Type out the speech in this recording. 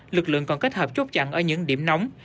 lực lượng còn kết hợp chốt chặn ở những điểm nóng